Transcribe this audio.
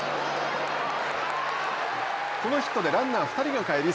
このヒットでランナー２人が帰り